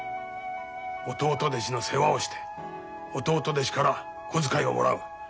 弟弟子の世話をして弟弟子から小遣いをもらう。